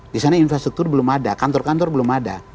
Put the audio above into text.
di sana infrastruktur belum ada kantor kantor belum ada